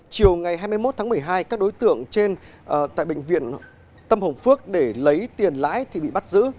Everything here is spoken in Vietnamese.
chiều ngày hai mươi một tháng một mươi hai các đối tượng trên tại bệnh viện tâm hồng phước để lấy tiền lãi thì bị bắt giữ